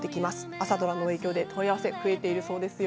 朝ドラの影響で問い合わせも増えているそうです。